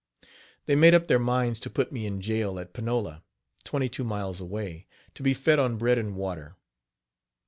They made up their minds to put me in jail at Panola, twenty two miles away, to be fed on bread and water.